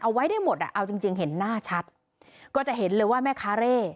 เอาไว้ได้หมดอ่ะเอาจริงจริงเห็นหน้าชัดก็จะเห็นเลยว่าแม่ค้าเร่